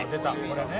これね。